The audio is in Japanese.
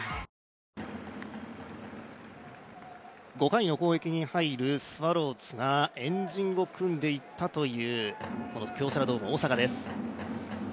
５回の攻撃に入るスワローズが円陣を組んでいったというこの京セラドーム大阪です。